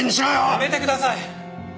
やめてください！